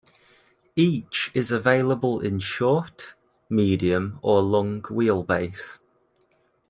Each is available in short, medium or long wheelbase.